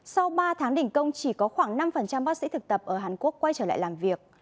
sau ba tháng đình công chỉ có khoảng năm bác sĩ thực tập ở hàn quốc quay trở lại làm việc